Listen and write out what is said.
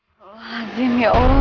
allah azim ya allah